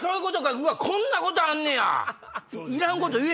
うわっこんなことあんねや！